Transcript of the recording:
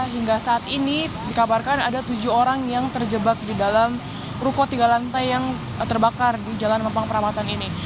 hingga saat ini dikabarkan ada tujuh orang yang terjebak di dalam ruko tiga lantai yang terbakar di jalan mempang peramatan ini